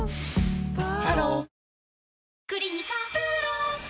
ハロー